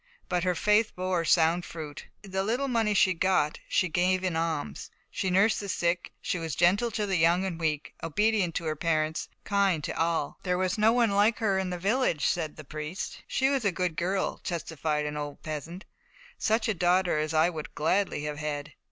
But her faith bore sound fruit. The little money she got she gave in alms. She nursed the sick, she was gentle to the young and weak, obedient to her parents, kind to all. "There was no one like her in the village," said her priest. "She was a good girl," testified an old peasant, "such a daughter as I would gladly have had."